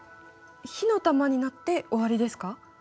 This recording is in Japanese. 火の玉になって終わりですか？